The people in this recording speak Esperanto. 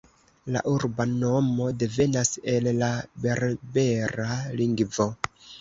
La urba nomo devenas el la berbera lingvo.